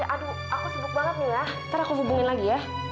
aduh aku sibuk banget nih ya ntar aku hubungin lagi ya